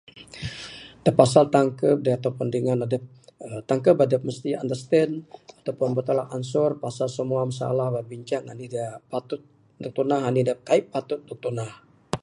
Da pasal tangkub, atau pun dingan adup tangkub adup mesti understand atau pun bertolak ansur pasal semua masalah, berbincang anih da patut dog tundah, anih da kai patut dog tundah.